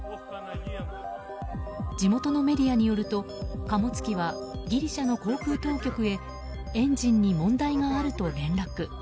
地元のメディアによると貨物機はギリシャの航空当局へエンジンに問題があると連絡。